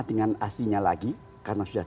dengan aslinya lagi karena sudah